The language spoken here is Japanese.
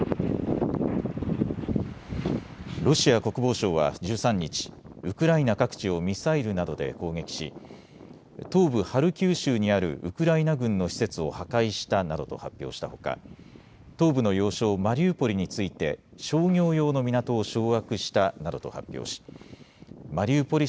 ロシア国防省は１３日、ウクライナ各地をミサイルなどで攻撃し東部ハルキウ州にあるウクライナ軍の施設を破壊したなどと発表したほか東部の要衝マリウポリについて商業用の港を掌握したなどと発表しマリウポリ